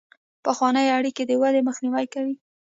پخوانۍ اړیکې د ودې مخنیوی کوي.